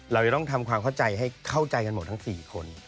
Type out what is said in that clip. เราจะต้องทำความเข้าใจให้เข้าใจกันหมดทั้ง๔คน